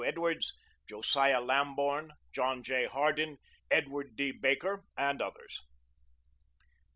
Edwards, Josiah Lamborn, John J. Hardin, Edward D. Baker, and others.